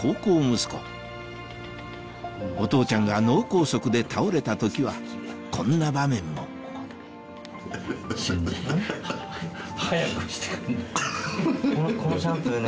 息子お父ちゃんが脳梗塞で倒れた時はこんな場面もこのシャンプーね。